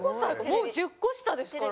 もう１０個下ですから。